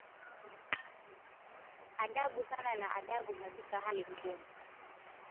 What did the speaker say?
adabu sana na adabu Katika hali ngumu